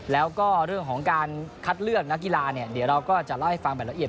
แล้วก็เรื่องของการคัดเลือกนักกีฬาเนี่ยเดี๋ยวเราก็จะเล่าให้ฟังแบบละเอียด